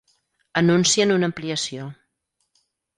Anuncien una ampliació.